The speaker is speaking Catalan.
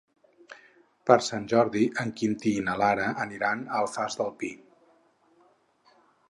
Per Sant Jordi en Quintí i na Lara aniran a l'Alfàs del Pi.